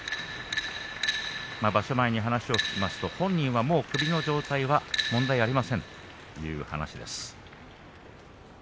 場所前に話を聞きますと本人は首の状態は問題ありませんという話です。